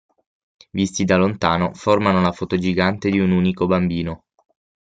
Visti da lontano, formano la foto gigante di un unico bambino.